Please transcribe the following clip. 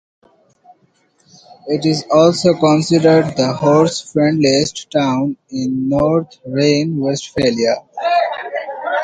It is also considered the horse-friendliest town in North Rhine-Westphalia.